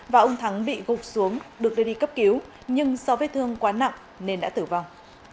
và ông thắng bị gục xuống được đưa đi cấp cứu nhưng do vết thương quá nặng nên đã tử vong